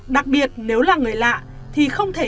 đặc biệt nếu là người lạ thì không thể